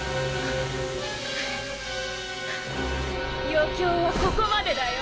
余興はここまでだよ！